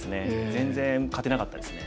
全然勝てなかったですね。